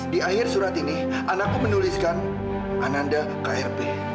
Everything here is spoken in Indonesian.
di akhir surat ini anakku menuliskan ananda krp